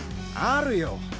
あるよ。